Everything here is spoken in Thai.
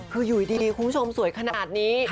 คืออยู่ดีคุณผู้ชมสวยขนาดนี้